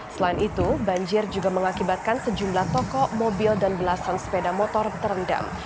selain itu banjir juga mengakibatkan sejumlah toko mobil dan belasan sepeda motor terendam